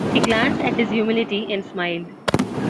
She glanced at his humility and smiled.